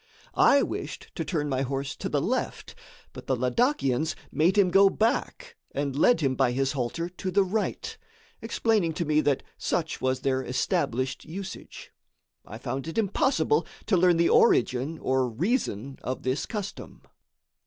I wished to turn my horse to the left, but the Ladakians made him go back and led him by his halter to the right, explaining to me that such was their established usage. I found it impossible to learn the origin or reason of this custom.